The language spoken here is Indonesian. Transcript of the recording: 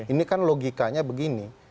ini kan logikanya begini